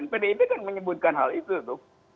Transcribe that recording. pdip kan menyebutkan hal itu tuh